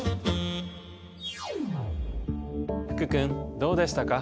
福君どうでしたか？